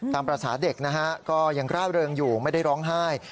ตามภาษาเด็กนะฮะก็ยังร่าเริงอยู่ไม่ได้ร้องไห้